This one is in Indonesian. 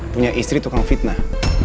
punya istri tukang fitnah